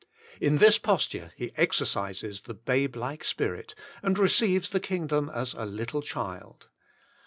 In this posture he exercises the babe like spirit, and receives the Kingdom as a little child.